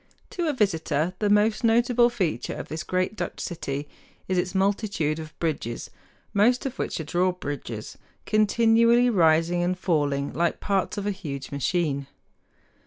To a visitor the most notable feature of this great Dutch city is its multitude of bridges, most of which are drawbridges, continually rising and falling like parts of a huge machine.